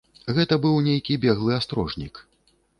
Гэта быў нейкі беглы астрожнік.